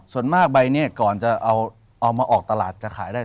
ส่วนมากใบนี้ก่อนจะเอามาออกตลาดจะขายได้